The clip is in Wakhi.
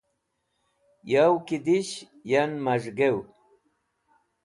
yow ki dish yan maz̃ gew